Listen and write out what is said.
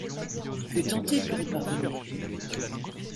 Que tenter pour y parvenir?